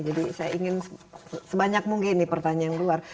jadi saya ingin sebanyak mungkin pertanyaan luar